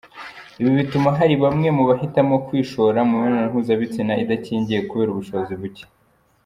Ibi bituma hari bamwe mu bahitamo kwishora mu mibonano mpuzabitsina idakingiye, kubera ubushobozi buke.